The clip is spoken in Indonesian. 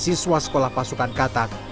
siswa sekolah pasukan katan